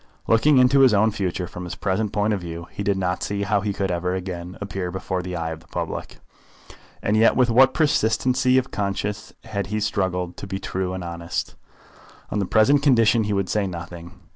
Looking into his own future from his present point of view he did not see how he could ever again appear before the eye of the public. And yet with what persistency of conscience had he struggled to be true and honest! On the present occasion he would say nothing.